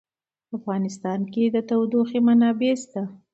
په افغانستان کې د تودوخه منابع شته.